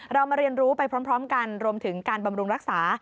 เรามาเรียนรู้ไปพร้อมกันรวมถึงการบำรุงรักษา